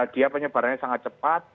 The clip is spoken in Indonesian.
dia penyebarannya sangat cepat